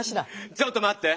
ちょっとまって！